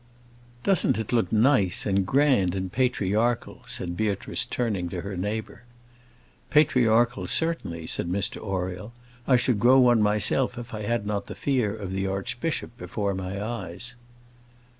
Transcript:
"Doesn't it look nice, and grand, and patriarchal?" said Beatrice, turning to her neighbour. "Patriarchal, certainly," said Mr Oriel. "I should grow one myself if I had not the fear of the archbishop before my eyes."